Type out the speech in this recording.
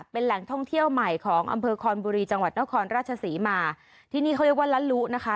เป็นแหล่งท่องเที่ยวใหม่ของอำเภอคอนบุรีจังหวัดนครราชศรีมาที่นี่เขาเรียกว่าละลุนะคะ